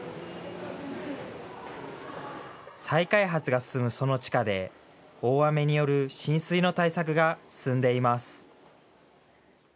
再開発が進むその地下で大雨による浸水の対策が進んでいます。